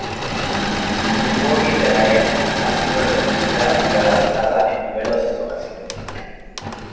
Su labor literaria ha sido reconocida y galardonada en numerosas ocasiones.